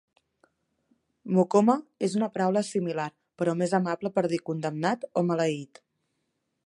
"Mokoma" és una paraula similar, però més amable per dir "condemnat" o "maleït".